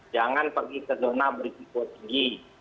jangan pergi ke zona berisiko tinggi